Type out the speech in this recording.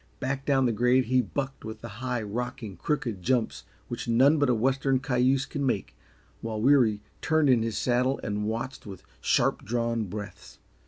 Back down the grade he bucked with the high, rocking, crooked jumps which none but a Western cayuse can make, while Weary turned in his saddle and watched with sharp drawn breaths.